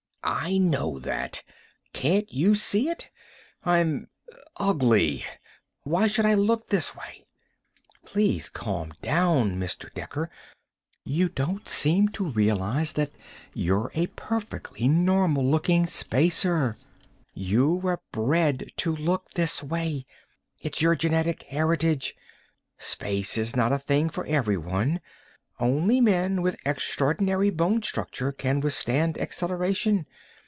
"I know that! Can't you see it I'm ugly! Why? Why should I look this way?" "Please calm down, Mr. Dekker. You don't seem to realize that you're a perfectly normal looking Spacer. You were bred to look this way. It's your genetic heritage. Space is not a thing for everyone; only men with extraordinary bone structure can withstand acceleration.